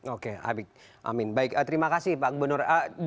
oke amin baik terima kasih pak gubernur